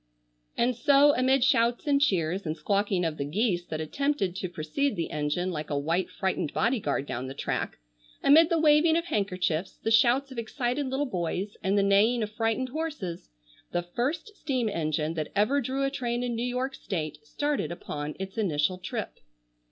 And so, amid shouts and cheers, and squawking of the geese that attempted to precede the engine like a white frightened body guard down the track; amid the waving of handkerchiefs, the shouts of excited little boys, and the neighing of frightened horses, the first steam engine that ever drew a train in New York state started upon its initial trip.